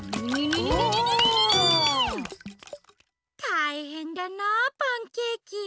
たいへんだなあパンケーキ。